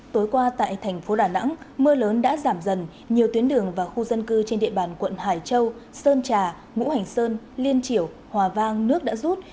tối qua tại thành phố đà nẵng mưa lớn đã giảm dần nhiều tuyến đường và khu dân cư trên địa bàn quận hải châu sơn trà ngũ hành sơn liên triểu hòa vang nước đã rút